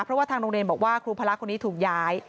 เพราะว่าทางโรงเรียนบอกว่าครูพละคนนี้ถูกย้าย